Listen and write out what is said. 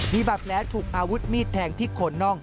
มีบาดแผลถูกอาวุธมีดแทงที่โคนน่อง